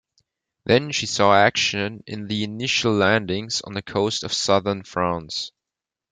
Then she saw action in the initial landings on the coast of southern France.